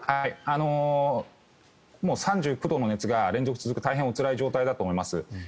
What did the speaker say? もう３９度の熱が連日続く大変おつらい状態だと思います。